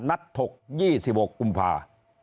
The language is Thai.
นัดถก๒๖กุมภา